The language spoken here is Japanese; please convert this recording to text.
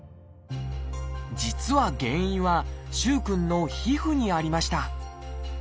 実は原因は萩くんの皮膚にありました。